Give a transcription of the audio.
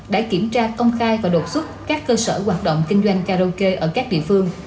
đã kiểm tra công khai và đột xuất các cơ sở hoạt động kinh doanh karaoke ở các địa phương